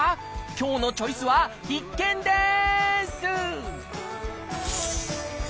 今日の「チョイス」は必見です！